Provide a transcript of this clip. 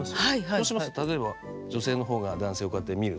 そうしますと例えば女性の方が男性をこうやって見るとか。